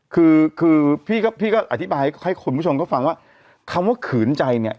คือคือพี่ก็พี่ก็อธิบายให้คุณผู้ชมก็ฟังว่าคำว่าขืนใจเนี่ย